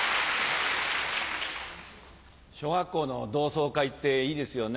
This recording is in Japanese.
小学校の同窓会っていいですよね。